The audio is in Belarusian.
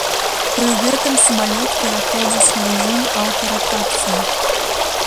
Пры гэтым самалёт пераходзіць на рэжым аўтаратацыі.